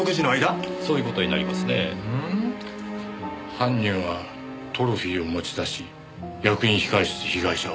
犯人はトロフィーを持ち出し役員控室で被害者を？